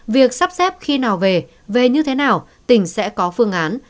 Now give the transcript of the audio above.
việc sắp xếp khi nào về như thế nào tỉnh sẽ có phương án